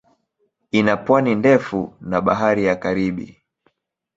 Ina pwani ndefu na Bahari ya Karibi.